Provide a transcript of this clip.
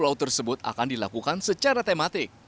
pulau tersebut akan dilakukan secara tematik